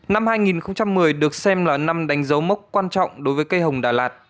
năm hai nghìn một mươi được xem là năm đánh dấu mốc quan trọng đối với cây hồng đà lạt